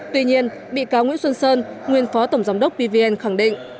tuy nhiên bị cáo nguyễn xuân sơn nguyên phó tổng giám đốc pvn khẳng định